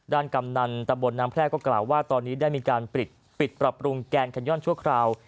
กำนันตะบนน้ำแพร่ก็กล่าวว่าตอนนี้ได้มีการปิดปรับปรุงแกนแคนย่อนชั่วคราว